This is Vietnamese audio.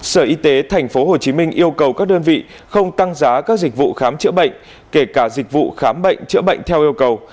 sở y tế tp hcm yêu cầu các đơn vị không tăng giá các dịch vụ khám chữa bệnh kể cả dịch vụ khám bệnh chữa bệnh theo yêu cầu